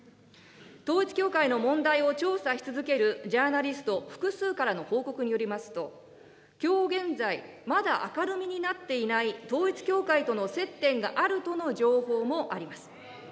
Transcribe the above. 統一教会の問題を調査し続けるジャーナリスト複数からの報告によりますと、きょう現在、まだ明るみになっていない統一教会との接点があるとの情報もあります。